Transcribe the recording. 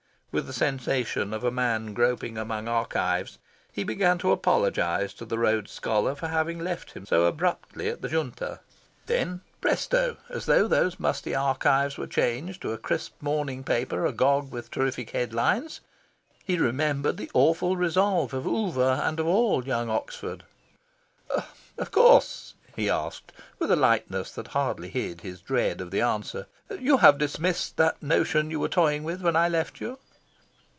With the sensation of a man groping among archives, he began to apologise to the Rhodes Scholar for having left him so abruptly at the Junta. Then, presto! as though those musty archives were changed to a crisp morning paper agog with terrific head lines he remembered the awful resolve of Oover, and of all young Oxford. "Of course," he asked, with a lightness that hardly hid his dread of the answer, "you have dismissed the notion you were toying with when I left you?"